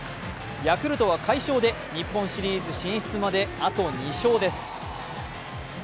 ヤクルトは快勝で、日本シリーズ進出まで、あと２勝です。